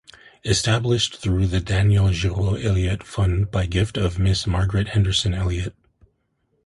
Established through the Daniel Giraud Elliot Fund by gift of Miss Margaret Henderson Elliot.